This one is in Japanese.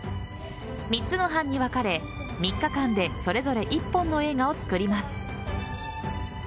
３つの班に分かれ３日間でそれぞれ１本の映画を作ります。